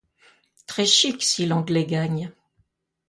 Très chic, si l'Anglais gagne!